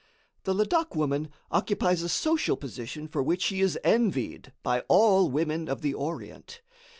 The Ladak woman occupies a social position for which she is envied by all women of the Orient.